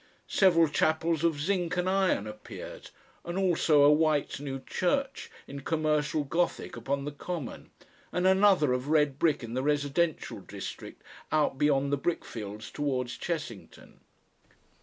Several chapels of zinc and iron appeared, and also a white new church in commercial Gothic upon the common, and another of red brick in the residential district out beyond the brickfields towards Chessington.